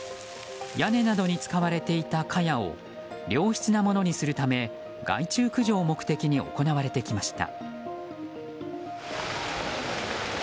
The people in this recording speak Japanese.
屋根などに使われていたかやを良質なものにするため害虫駆除を目的に行われてきました。